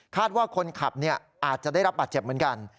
ว่าคนขับอาจจะได้รับบาดเจ็บเหมือนกัน